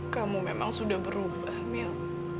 kamu memang sudah berubah mil